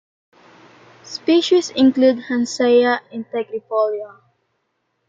Species include "Hancea integrifolia".